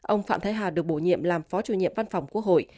ông phạm thái hà được bổ nhiệm làm phó chủ nhiệm văn phòng quốc hội